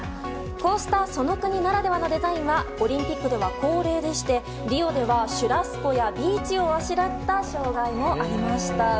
こうしたその国ならではのデザインがオリンピックでは恒例でしてリオではシュラスコやビーチをあしらった障害もありました。